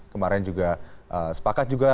kemarin juga sepakat juga